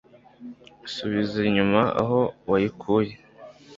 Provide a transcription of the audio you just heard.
Subiza inyuma aho wayikuye